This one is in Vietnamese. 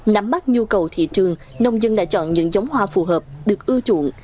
nắm mắt nhu cầu thị trường nông dân đã chọn những giống hoa phù hợp được ưa chuộng